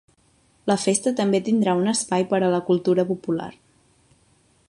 La festa també tindrà un espai per a la cultura popular.